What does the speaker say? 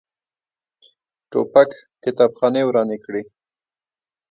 توپک کتابخانې ورانې کړي.